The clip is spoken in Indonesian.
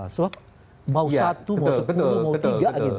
sebab mau satu mau sepuluh mau tiga gitu